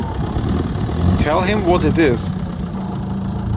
Tell him what it is.